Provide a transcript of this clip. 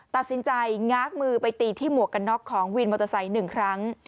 ตัดสินใจง้างมือไปตีที่หมวกกันน็อกของวินมอเตอร์ไซค์๑ครั้ง